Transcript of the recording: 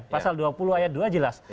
pasal dua puluh ayat dua jelas